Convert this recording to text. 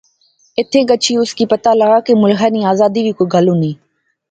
ایتھیں گچھی اس کی پتہ لغا کہ ملخے نی آزادی وی کوئی گل ہونی